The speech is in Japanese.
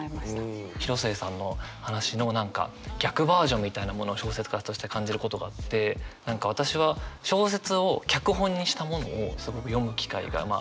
広末さんの話の何か逆バージョンみたいなものを小説家として感じることがあって何か私は小説を脚本にしたものをすごく読む機会があるんですよね。